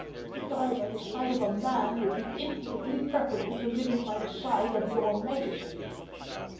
To die by the side of a MAN would be infinitely preferable to living by the side of your majesty."